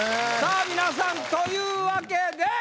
さぁ皆さんというわけで。